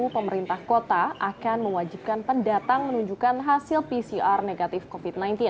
pemerintah kota akan mewajibkan pendatang menunjukkan hasil pcr negatif covid sembilan belas